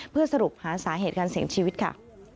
เพื่อสรุปหาสาเหตุการเสียชีวิตค่ะ